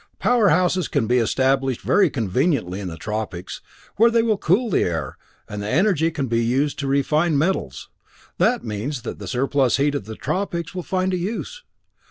Power houses can be established very conveniently in the tropics, where they will cool the air, and the energy can be used to refine metals. That means that the surplus heat of the tropics will find a use.